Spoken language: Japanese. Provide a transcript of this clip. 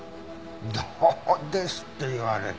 「どうです？」って言われても。